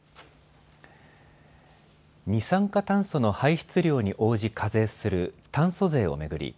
二酸化炭素の排出量に応じ課税する炭素税を巡り